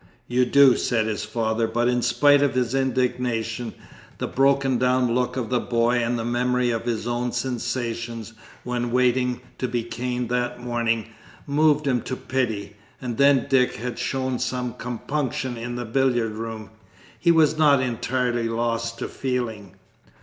"You do," said his father, but in spite of his indignation, the broken down look of the boy, and the memory of his own sensations when waiting to be caned that morning, moved him to pity. And then Dick had shown some compunction in the billiard room: he was not entirely lost to feeling.